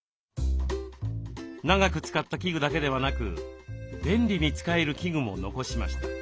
長く使った器具だけではなく便利に使える器具も残しました。